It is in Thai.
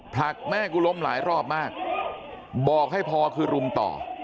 ผลักแม่กูล้มหลายรอบมากบอกให้พอคือรุมต่อ